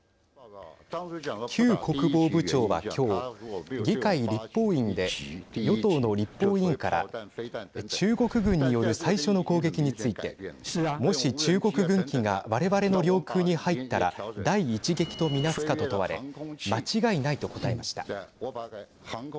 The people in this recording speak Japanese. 邱国防部長は今日議会・立法院で与党の立法委員から中国軍による最初の攻撃についてもし中国軍機が我々の領空に入ったら第一撃と見なすかと問われ間違いないと答えました。